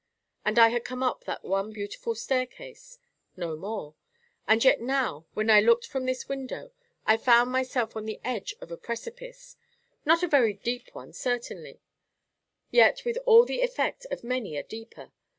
And I had come up that one beautiful staircase; no more; and yet now, when I looked from this window, I found myself on the edge of a precipice—not a very deep one, certainly, yet with all the effect of many a deeper.